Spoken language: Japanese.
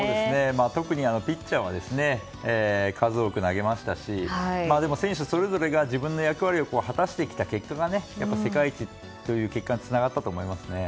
特にピッチャーは数多く投げましたしでも選手それぞれが自分の役割を果たしてきた結果が世界一という結果につながったと思いますね。